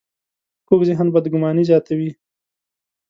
کوږ ذهن بدګماني زیاتوي